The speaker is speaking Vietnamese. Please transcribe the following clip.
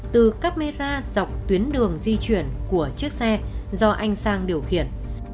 từ camera dọc tuyến đường di chuyển của chiếc xe do anh sang điều khiển